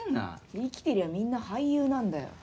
生きてりゃ、みんな俳優なんだよ。